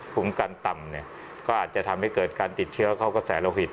ภูมิกันต่ำก็อาจจะทำให้เกิดการติดเชื้อเข้ากระแสโลหิต